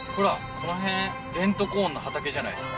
この辺デントコーンの畑じゃないですか？